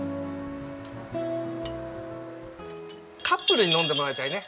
カップルに飲んでもらいたいね。